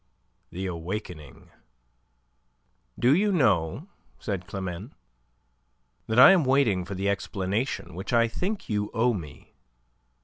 THE AWAKENING "Do you know," said Climene, "that I am waiting for the explanation which I think you owe me?"